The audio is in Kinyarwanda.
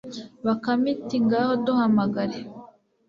bakame iti ngaho duhamagare